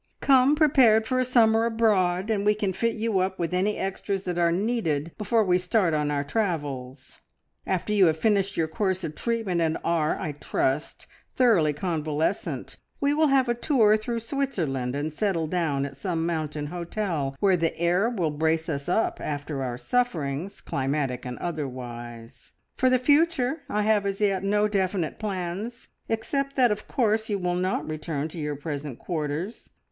"Come prepared for a summer abroad, and we can fit you up with any extras that are needed before we start on our travels. After you have finished your course of treatment and are, I trust, thoroughly convalescent, we will have a tour through Switzerland, and settle down at some mountain hotel, where the air will brace us up after our sufferings, climatic and otherwise. "For the future, I have as yet no definite plans, except that, of course, you will not return to your present quarters.